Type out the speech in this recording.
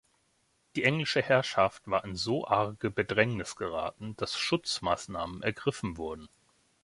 Die englische Herrschaft war in so arge Bedrängnis geraten, dass Schutzmaßnahmen ergriffen wurden.